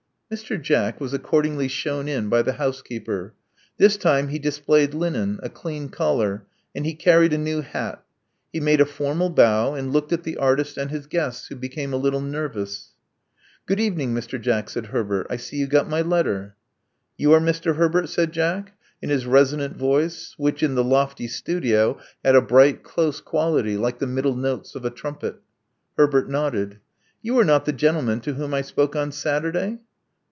Mr. Jack was accordingly shewn in by the house keeper. This time, he displayed linen — a clean collar; and he carried a new hat. He made a formal bow, and looked at the artist and his guests, who became a little nervous. Good evening, Mr. Jack," said Herbert. I see you got my letter. " You are Mr. Herbert?" said Jack, in his resonant voice, which, in the lofty studio, had ^bright, close quality like the middle notes of a trui^fet. Herbert nodded. '*You are not the gentleman to .whom I spoke on Saturday?"